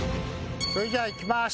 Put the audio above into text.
それじゃあいきます。